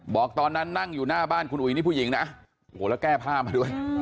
บอกตอนนั้นนั่งอยู่หน้าบ้านคุณอุ๋ยนี่ผู้หญิงนะโอ้โหแล้วแก้ผ้ามาด้วย